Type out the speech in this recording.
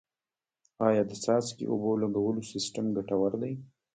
آیا د څاڅکي اوبو لګولو سیستم ګټور دی؟